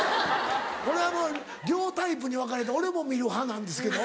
これ両タイプに分かれて俺も見る派なんですけど。